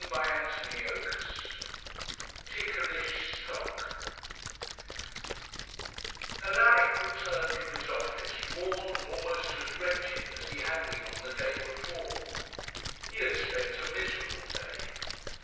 CHAPTER XXXVI TICKLISH STOCK Alaric returned from his office worn and almost as wretched as he had been on the day before. He had spent a miserable day.